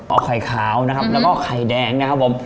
เอาไข่ขาวนะครับแล้วก็ไข่แดงนะครับผม